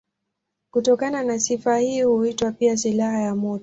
Kutokana na sifa hii huitwa pia silaha ya moto.